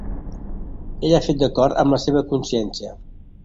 Ell ha fet d'acord amb la seva consciència.